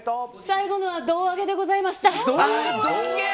最後のは胴上げでございました。